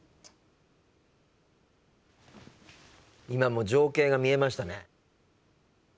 今もう情景が見えましたね。